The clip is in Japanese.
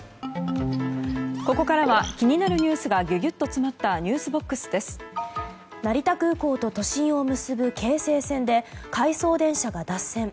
ここからは気になるニュースがギュギュッと詰まった成田空港と都心を結ぶ京成線で、回送電車が脱線。